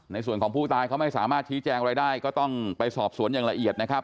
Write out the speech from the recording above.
ในส่วนของผู้ตายเขาไม่สามารถชี้แจงอะไรได้ก็ต้องไปสอบสวนอย่างละเอียดนะครับ